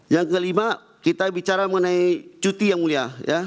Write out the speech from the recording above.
yang kelima kita bicara mengenai cuti yang mulia